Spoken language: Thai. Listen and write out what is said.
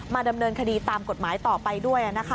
ดำเนินคดีตามกฎหมายต่อไปด้วย